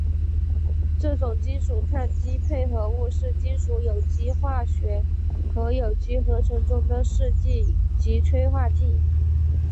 这种金属羰基配合物是金属有机化学和有机合成中的试剂及催化剂。